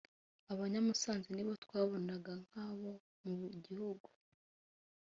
abanya-Musanze ni bo twabonaga nk’abo mu gihugu